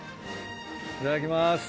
いただきます。